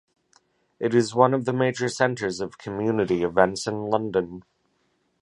It is one of the major centres of community events in London.